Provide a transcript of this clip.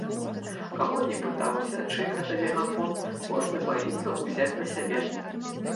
Каго не пытаўся, чый гэта мегафон, кожны баіцца ўзяць на сябе!